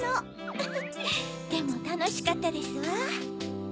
ウフっでもたのしかったですわ！